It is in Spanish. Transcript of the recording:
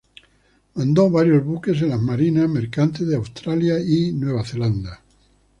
Mandó varios buques en las marinas mercantes de Australia y Nueva Zelanda.